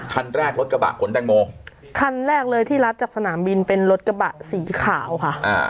คันแรกรถกระบะขนแตงโมคันแรกเลยที่รับจากสนามบินเป็นรถกระบะสีขาวค่ะอ่า